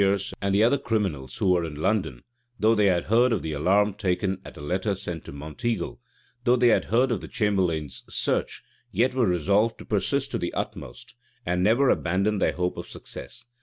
Catesby, Piercy, and the other criminals who were in London, though they had heard of the alarm taken at a letter sent to Monteagle; though they had heard of the chamberlain's search; yet were resolved to persist to the utmost, and never abandon their hopes of success.